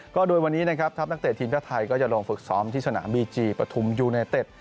ก็โดยวันนี้นะครับทัพนักเตะทีมชาติไทยก็จะลงฝึกซ้อมที่สนามบีจีปฐุมยูไนเต็ด